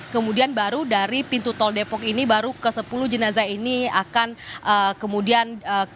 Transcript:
kemudian baru dari pintu tol depok ini baru ke sepuluh jenazah ini akan kemudian